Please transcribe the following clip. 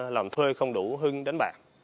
làm thuê không đủ hưng đánh bạc